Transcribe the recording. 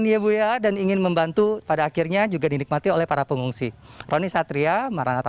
ya bu ya dan ingin membantu pada akhirnya juga dinikmati oleh para pengungsi roni satria maranata